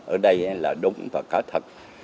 ở đây là đúng và có thật